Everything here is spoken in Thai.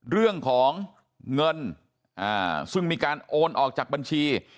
เรื่องของเงินซึ่งมีการโอนออกจากบัญชี